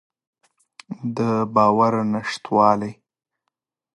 د باور نشتوالی.